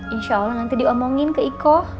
insya allah nanti diomongin ke i k